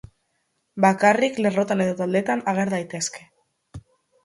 Bakarrik, lerrotan edo taldetan ager daitezke.